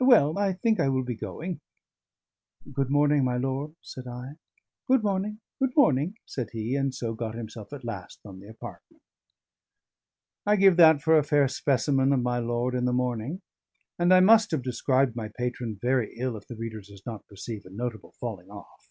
Well, I think I will be going." "Good morning, my lord," said I. "Good morning, good morning," said he, and so got himself at last from the apartment. I give that for a fair specimen of my lord in the morning and I must have described my patron very ill if the reader does not perceive a notable falling off.